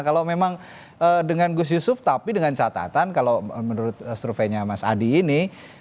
kalau memang dengan gus yusuf tapi dengan catatan kalau menurut surveinya mas adi ini